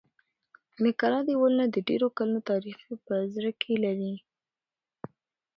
د کلا دېوالونه د ډېرو کلونو تاریخ په زړه کې لري.